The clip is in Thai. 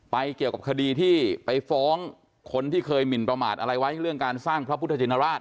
เกี่ยวกับคดีที่ไปฟ้องคนที่เคยหมินประมาทอะไรไว้เรื่องการสร้างพระพุทธชินราช